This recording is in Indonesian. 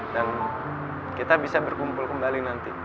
dan kita bisa berkumpul kembali nanti